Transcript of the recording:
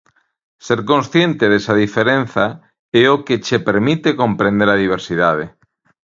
Ser consciente desa diferenza é o que che permite comprender a diversidade.